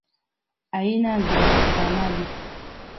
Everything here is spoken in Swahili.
aina za samadi